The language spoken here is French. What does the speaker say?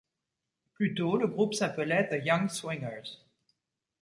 Plus tôt, le groupe s’appelait The Young Swingers.